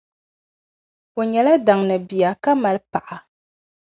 O nyɛla daŋni bia ka mali paɣa.